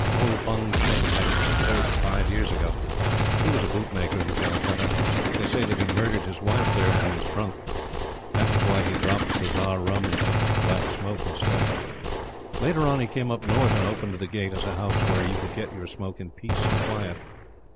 Old Fung Tching had it first five years ago. He was a boot maker in Calcutta. They say that he murdered his wife there when he was drunk. That was why he dropped bazar rum and took to the Black Smoke instead. Later on, he came up north and opened the Gate as a house where you could get your smoke in peace and quiet.